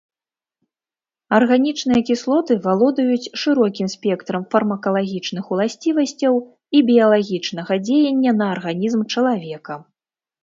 Арганічныя кіслоты валодаюць шырокім спектрам фармакалагічных уласцівасцяў і біялагічнага дзеяння на арганізм чалавека.